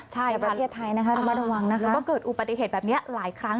ใช่ค่ะแล้วก็เกิดอุปติเหตุแบบนี้หลายครั้ง